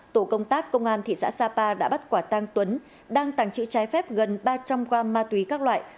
tổ công tác công an thị xã sapa đã bắt quả tăng tuấn đang tàng trữ trái phép gần ba trăm linh g ma túy các loại